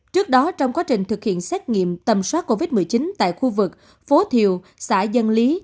trước đó trong quá trình thực hiện xét nghiệm tầm soát covid một mươi chín tại khu vực phố thiều xã dân lý